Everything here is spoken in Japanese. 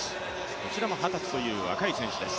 こちらも二十歳という若い選手です。